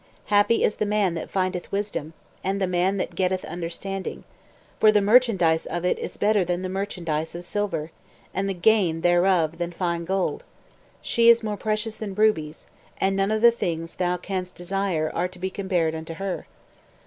Happy is the man that findeth wisdom, And the man that getteth understanding. For the merchandise of it is better than the merchandise of silver, And the gain thereof than fine gold. She is more precious than rubies: And none of the things thou canst desire are to be compared unto her.